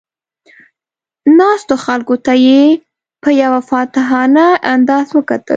ناستو خلکو ته یې په یو فاتحانه انداز وکتل.